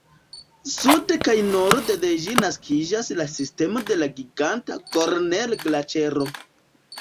Sude kaj norde de ĝi naskiĝas la sistemo de la giganta Gorner-Glaĉero.